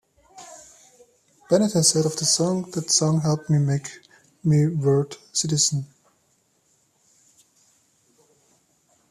Bennett has said of the song, That song helped make me a world citizen.